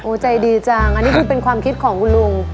ใจดีจังอันนี้คือเป็นความคิดของคุณลุง